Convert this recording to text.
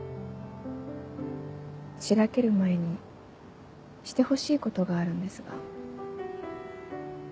白ける前にしてほしいことがあるんですが。